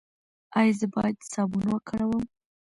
ایا زه باید صابون وکاروم؟